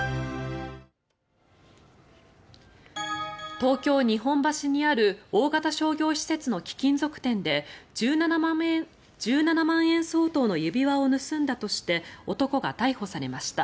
東京・日本橋にある大型商業施設の貴金属店で１７万円相当の指輪を盗んだとして男が逮捕されました。